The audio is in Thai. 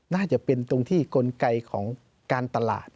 น่าจะเป็นตรงที่กลไกของการตลาด